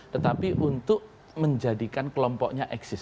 tetapi untuk menjadikan kelompoknya eksis